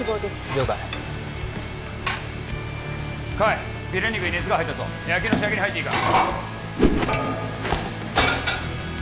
了解海フィレ肉に熱が入ったぞ焼きの仕上げに入っていいか？